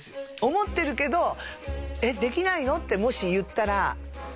思ってるけど「えっできないの？」ってもし言ったらどうします？